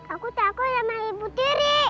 aku takut sama ibu tiri